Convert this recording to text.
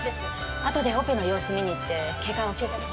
あとでオペの様子見に行って経過教えてあげて。